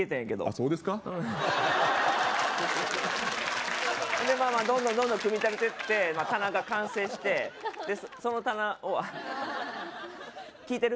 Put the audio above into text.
そうですかでまあまあどんどんどんどん組み立ててって棚が完成してその棚を聞いてる？